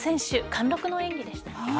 貫禄の演技でしたね。